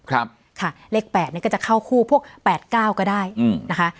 ครับค่ะเลขแปดเนี่ยก็จะเข้าคู่พวกแปดก้าวก็ได้อืมนะคะ